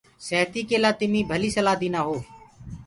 سهتي ڪي لآ تمي ڀلي سلآه دينآ هو۔